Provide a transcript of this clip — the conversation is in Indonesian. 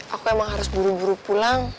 aku memang harus buru buru pulang